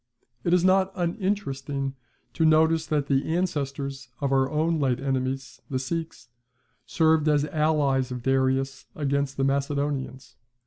It is not uninteresting to notice that the ancestors of our own late enemies, the Sikhs, served as allies of Darius against the Macedonians.